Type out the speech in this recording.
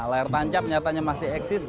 layar tancap nyatanya masih eksis